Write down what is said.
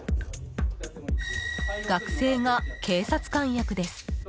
学生が警察官役です。